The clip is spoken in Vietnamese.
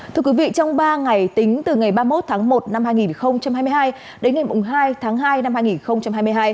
thưa quý vị trong ba ngày tính từ ngày ba mươi một tháng một năm hai nghìn hai mươi hai đến ngày hai tháng hai năm hai nghìn hai mươi hai